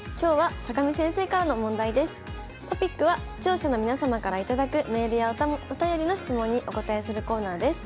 トピックは視聴者の皆様から頂くメールやお便りの質問にお答えするコーナーです。